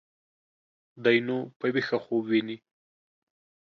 دى نو په ويښه خوب ويني.